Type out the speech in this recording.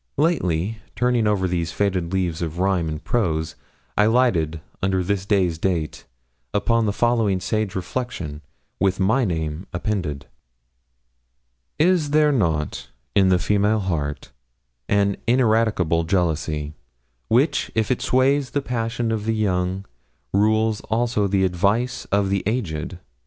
Lately, turning over these faded leaves of rhyme and prose, I lighted, under this day's date, upon the following sage reflection, with my name appended: 'Is there not in the female heart an ineradicable jealousy, which, if it sways the passions of the young, rules also the advice of the aged?